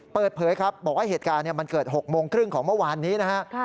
เปิดเผยครับบอกว่าเหตุการณ์มันเกิด๖โมงครึ่งของเมื่อวานนี้นะฮะ